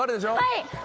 はい！